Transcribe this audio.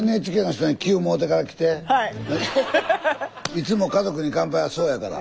いつも「家族に乾杯」はそうやから。